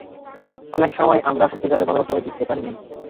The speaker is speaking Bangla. অনেক সময় আমরা, সত্যিকারের ভালবাসাও জিততে পারি না।